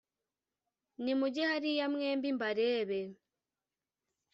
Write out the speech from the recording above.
nimuge hariya mwembi mbarebe